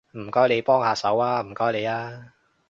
唔該你幫下手吖，唔該你吖